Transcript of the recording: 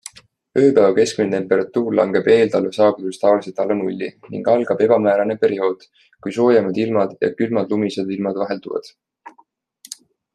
Ööpäeva keskmine temperatuur langeb eeltalve saabudes tavaliselt alla nulli ning algab ebamäärane periood, kui soojemad ilmad ja külmad lumised ilmad vahelduvad.